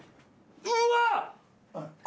うわっ！